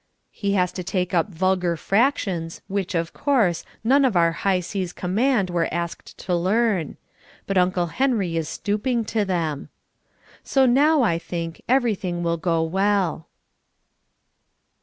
He has to take up Vulgar Fractions which, of course, none of our High Seas Command were asked to learn. But Uncle Henry is stooping to them. So now, I think, everything will go well.